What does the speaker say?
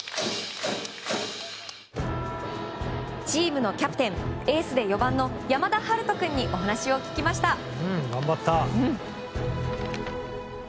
チームのキャプテンエースで４番の山田陽翔君にお話を聞きました。